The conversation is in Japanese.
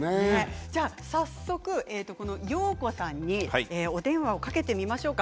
早速、よーこさんにお電話をかけてみましょうか。